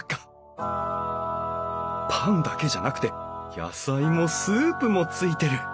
パンだけじゃなくて野菜もスープもついてる！